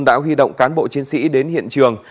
đã huy động cán bộ chiến sĩ đến hiện trường